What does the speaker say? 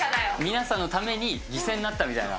皆さんのために犠牲になったみたいな。